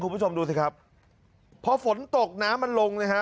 คุณผู้ชมดูสิครับพอฝนตกน้ำมันลงนะฮะ